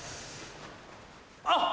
あっ！